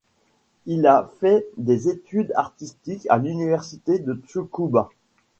Il a fait des études artistiques à l’Université de Tsukuba.